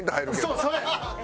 そうそれ！